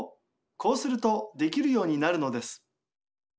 こうするとできるようになるのです。